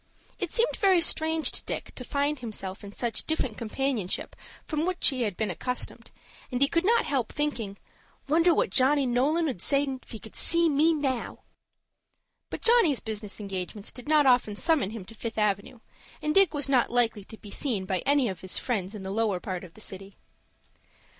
It seemed very strange to Dick to find himself in such different companionship from what he had been accustomed, and he could not help thinking, "Wonder what Johnny Nolan 'ould say if he could see me now!" But Johnny's business engagements did not often summon him to Fifth Avenue, and Dick was not likely to be seen by any of his friends in the lower part of the city.